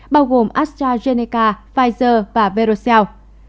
bao gồm astrazeneca pfizer và verocell